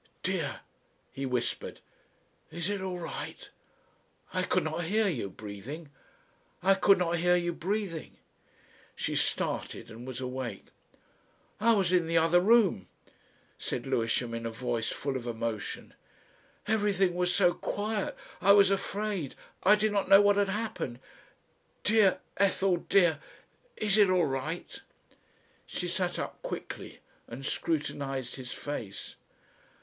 "Dear," he whispered, "Is it all right? I ... I could not hear you breathing. I could not hear you breathing." She started and was awake. "I was in the other room," said Lewisham in a voice full of emotion. "Everything was so quiet, I was afraid I did not know what had happened. Dear Ethel dear. Is it all right?" She sat up quickly and scrutinised his face.